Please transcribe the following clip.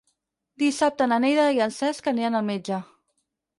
Dissabte na Neida i en Cesc aniran al metge.